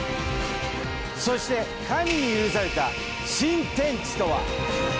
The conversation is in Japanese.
そして神に許された新天地とは。